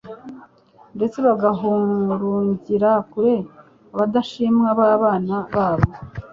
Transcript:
ndetse bagahurugira kure abadashimwa babana nabo;